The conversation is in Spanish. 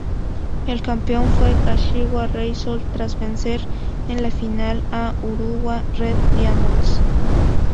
El campeón fue Kashiwa Reysol, tras vencer en la final a Urawa Red Diamonds.